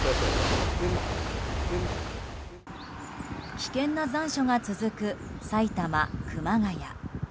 危険な残暑が続く埼玉・熊谷。